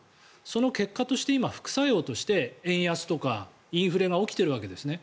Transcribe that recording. その結果として今、副作用として円安とかインフレが起きているわけですね。